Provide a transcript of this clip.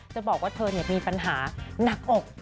จะบอกว่าเธอมีปัญหาหนักอก